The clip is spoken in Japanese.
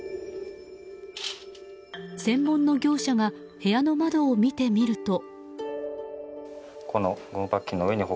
専門の業者が部屋の窓を見てみると。